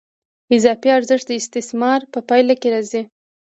اضافي ارزښت د استثمار په پایله کې راځي